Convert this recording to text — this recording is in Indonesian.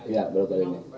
ya berapa ini